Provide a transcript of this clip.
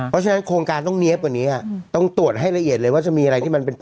เพราะฉะนั้นโครงการต้องเนี๊ยบกว่านี้ต้องตรวจให้ละเอียดเลยว่าจะมีอะไรที่มันเป็น